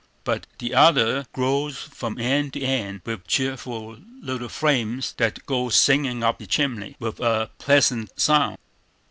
But the other glows from end to end with cheerful little flames that go singing up the chimney with a pleasant sound.